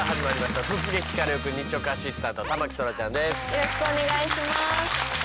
よろしくお願いします。